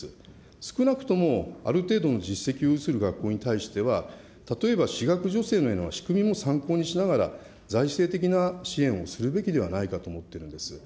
少なくともある程度の実績を有する学校に対しては、例えば私学助成のような仕組みも参考にしながら、財政的な支援をするべきではないかと思っているんです。